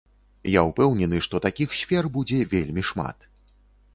Я ўпэўнены, што такіх сфер будзе вельмі шмат.